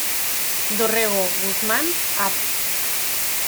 Dorrego, Guzmán, Av.